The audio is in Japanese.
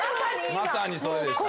まさにそうでしたね！